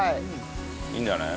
いいんじゃない？